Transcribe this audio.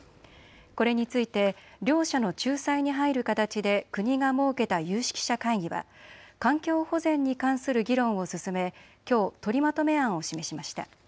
これについて両者の仲裁に入る形で国が設けた有識者会議は環境保全に関する議論を進めきょう取りまとめ案を示しました。